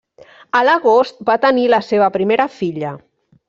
A l'agost va tenir la seva primera filla.